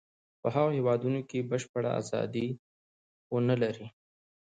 په هغو هېوادونو کې چې بشپړه ازادي و نه لري.